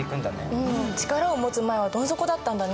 うん力を持つ前はどん底だったんだね。